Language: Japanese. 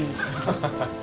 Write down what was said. ハハハハッ。